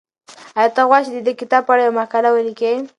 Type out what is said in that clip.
ایا ته غواړې چې د دې کتاب په اړه یوه مقاله ولیکې؟